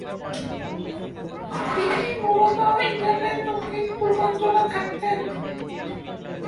তিনি মূলত ইংল্যান্ডের দক্ষিণ-পূর্বাঞ্চলে থাকতেন।